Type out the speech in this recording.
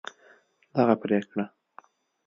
دغه پرېکړه